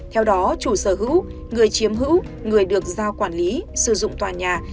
theo đó chủ sở hữu người chiếm hữu người được giao quản lý sử dụng tòa nhà